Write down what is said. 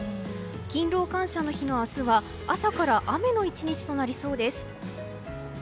勤労感謝の日の明日は朝から雨の１日となりそうです。